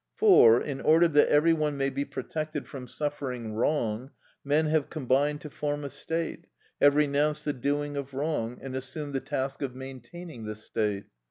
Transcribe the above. For, in order that every one may be protected from suffering wrong, men have combined to form a state, have renounced the doing of wrong, and assumed the task of maintaining the state.